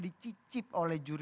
dicicip oleh ibu kota